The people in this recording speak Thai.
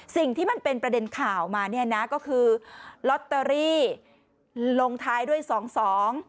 สิ่งที่มันเป็นประเด็นข่าวมาเนี่ยนะก็คือลอตเตอรี่ลงท้ายด้วยสองสอง